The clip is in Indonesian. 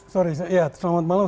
sorry ya selamat malam